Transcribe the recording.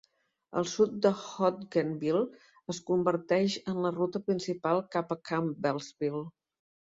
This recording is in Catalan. Al sud de Hodgenville es converteix en la ruta principal cap a Campbellsville.